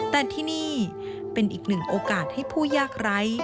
แต่ที่นี่เป็นอีกหนึ่งโอกาสให้ผู้ยากไร้